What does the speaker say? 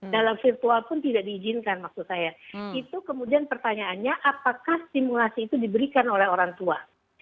dalam virtual pun tidak diizinkan maksud saya itu kemudian pertanyaannya apakah simulasi itu diberikan oleh orang tua